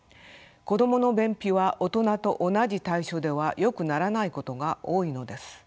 子どもの便秘は大人と同じ対処ではよくならないことが多いのです。